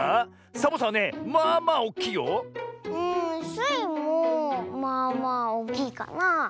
スイもまあまあおおきいかな。